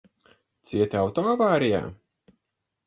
Cieti auto avārijā?